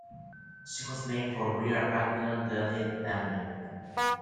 She was named for Rear Admiral Daniel Ammen.